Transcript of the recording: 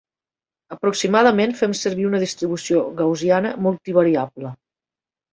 Aproximadament, fem servir una distribució gaussiana multivariable.